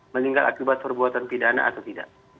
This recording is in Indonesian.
meninggal akibat perbuatan pidana atau tidak